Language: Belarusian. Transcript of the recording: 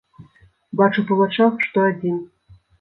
Бачу па вачах, што адзін!